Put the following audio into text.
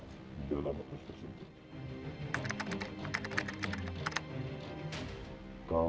kami berpikir bahwa kekerasan itu adalah kekerasan